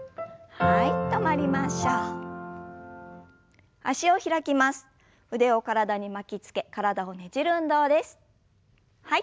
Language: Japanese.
はい。